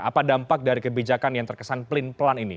apa dampak dari kebijakan yang terkesan pelin pelan ini